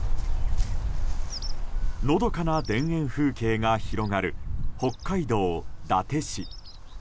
のどかな田園風景が広がる北海道伊達市。